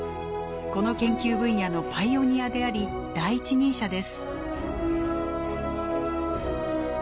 この研究分野のパイオニアであり第一人者です。